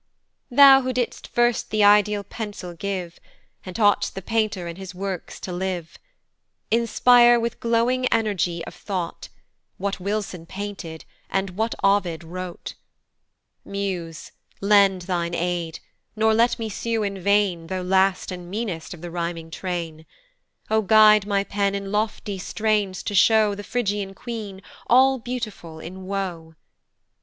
Thou who did'st first th' ideal pencil give, And taught'st the painter in his works to live, Inspire with glowing energy of thought, What Wilson painted, and what Ovid wrote. Muse! lend thy aid, nor let me sue in vain, Tho' last and meanest of the rhyming train! O guide my pen in lofty strains to show The Phrygian queen, all beautiful in woe.